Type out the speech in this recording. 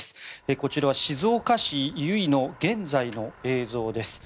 こちらは静岡市由比の現在の映像です。